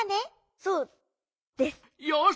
そうです！よし！